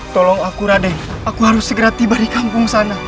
tolong aku radai aku harus segera tiba di kampung sana